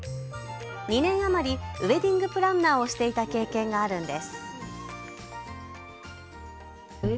２年余りウエディングプランナーをしていた経験があるんです。